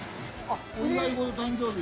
お祝い事誕生日。